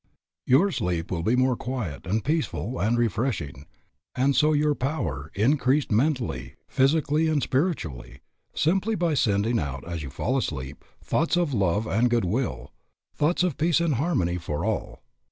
Your sleep will be more quiet, and peaceful, and refreshing, and so your power increased mentally, physically, and spiritually, simply by sending out as you fall asleep, thoughts of love and good will, thoughts of peace and harmony for all.